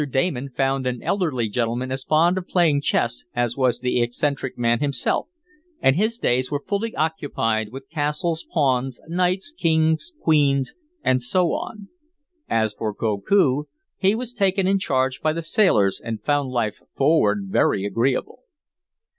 Damon found an elderly gentleman as fond of playing chess as was the eccentric man himself, and his days were fully occupied with castles, pawns, knights, kings, queens and so on. As for Koku he was taken in charge by the sailors and found life forward very agreeable.